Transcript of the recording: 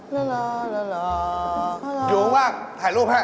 อยู่ข้างบ้างถ่ายรูปให้